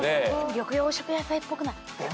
緑黄色野菜っぽくない？